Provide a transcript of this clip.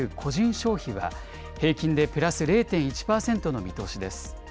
消費は、平均でプラス０．１％の見通しです。